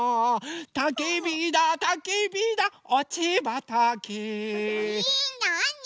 「たきびだたきびだおちばたき」えなあに？